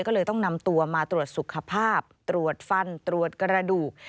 ก็เลยต้องนำตัวมาตรวจสุขภาพตรวจฟันตรวจกระดูก